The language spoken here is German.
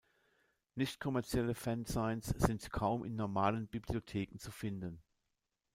Nichtkommerzielle Fanzines sind kaum in normalen Bibliotheken zu finden.